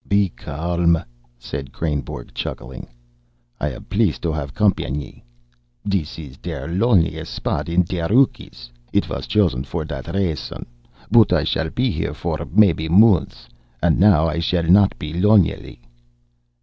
"Be calm!" said Kreynborg, chuckling. "I am pleased to haff company. This is der loneliest spot in der Rockies. It was chosen for that reason. But I shall be here for maybe months, and now I shall not be lonely.